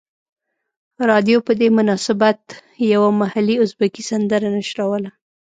رادیو په دې مناسبت یوه محلي ازبکي سندره نشروله.